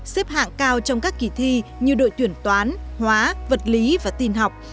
xếp hạng cao trong các kỳ thi như đội tuyển toán hóa vật lý và tin học